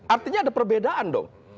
artinya ada perbedaan dong